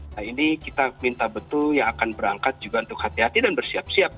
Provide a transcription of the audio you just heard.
nah ini kita minta betul yang akan berangkat juga untuk hati hati dan bersiap siap